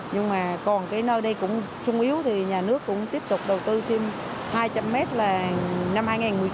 nhưng mà còn cái nơi đây cũng sung yếu thì nhà nước cũng tiếp tục đầu tư thêm hai trăm linh m là năm hai nghìn một mươi chín